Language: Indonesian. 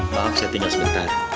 maaf saya tinggal sebentar